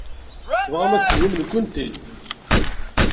Tebɣam ad d-tinim nekkenti?